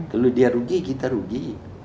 kalau dia rugi kita rugi